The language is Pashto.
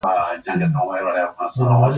د کاناډا پوځ د دوی په ژغورلو کې اقدام نه و کړی.